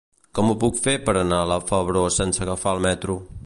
Com ho puc fer per anar a la Febró sense agafar el metro?